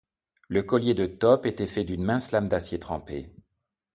Le collier de Top était fait d’une mince lame d’acier trempé.